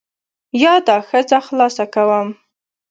یا دا ښځه خلاصه کوم.